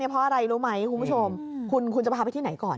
เพราะอะไรรู้ไหมคุณผู้ชมคุณจะพาไปที่ไหนก่อน